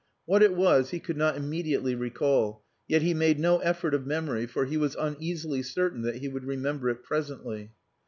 What it was he could not immediately recall, yet he made no effort of memory, for he was uneasily certain that he would remember presently.